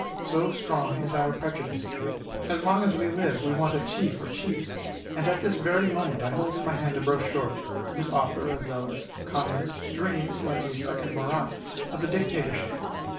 So strong is our prejudice. As long as we live, we want a chief or chiefs; and at this very moment I hold in my hand a brochure, whose author a zealous communist dreams, like a second Marat, of the dictatorship.